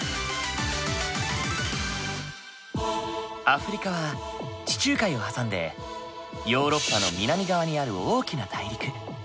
アフリカは地中海を挟んでヨーロッパの南側にある大きな大陸。